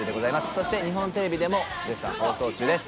そして日本テレビでも絶賛放送中です。